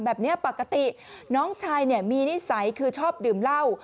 แบบนี้ปกติน้องชายมีนิสัยคือชอบดื่มเหล้า